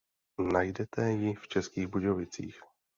Najdete ji v Českých Budějovicích.